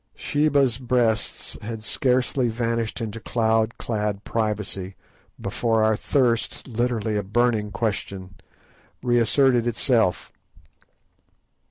Sheba's Breasts had scarcely vanished into cloud clad privacy, before our thirst—literally a burning question—reasserted itself.